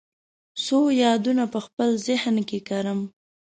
څو یادونه په خپل ذهن کې کرم